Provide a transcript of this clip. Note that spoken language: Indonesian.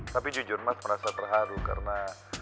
tapi jujur mas merasa terharu karena